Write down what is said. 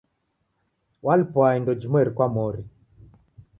Walipwa indo jimweri kwa mori.